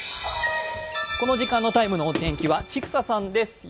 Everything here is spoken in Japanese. この時間の「ＴＩＭＥ，」のお天気は千種さんです。